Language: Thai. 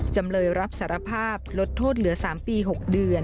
จำเลยรับสารภาพลดโทษเหลือ๓ปี๖เดือน